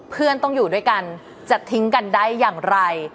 เพื่อนต้องอยู่ด้วยกันจะทิ้งกันได้อย่างไร